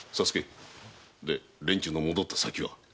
連中の戻った先は？